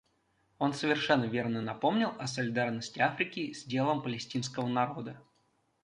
Он совершенно верно напомнил о солидарности Африки с делом палестинского народа.